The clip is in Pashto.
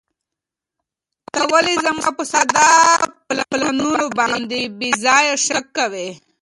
ته ولې زما په ساده پلانونو باندې بې ځایه شک کوې؟